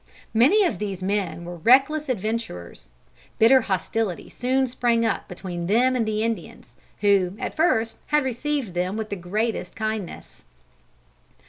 Many of these men were reckless adventurers. Bitter hostility soon sprang up between them and the Indians, who at first had received them with the greatest kindness.